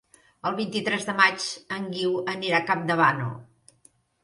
El vint-i-tres de maig en Guiu anirà a Campdevànol.